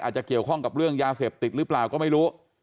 อาจจะเกี่ยวข้องกับเรื่องยาเสพติดหรือเปล่าก็ไม่รู้